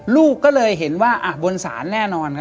ลูกก็เลยเห็นว่าบนศาลแน่นอนครับ